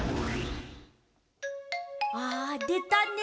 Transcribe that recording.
あでたね！